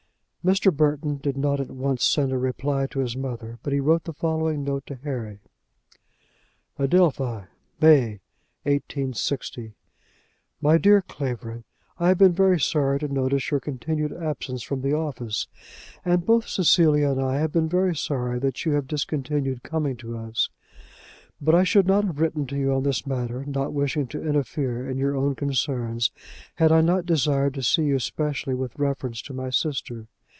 Mr. Burton did not at once send a reply to his mother, but he wrote the following note to Harry: Adelphi , May, 186 . MY DEAR CLAVERING, I have been sorry to notice your continued absence from the office, and both Cecilia and I have been very sorry that you have discontinued coming to us. But I should not have written to you on this matter, not wishing to interfere in your own concerns, had I not desired to see you specially with reference to my sister.